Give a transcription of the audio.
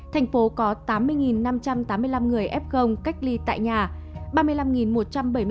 thành phố có tám mươi năm trăm tám mươi năm người f cách ly tại nhà